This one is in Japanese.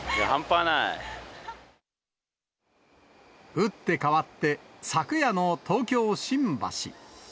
打って変わって、昨夜の東京・新橋。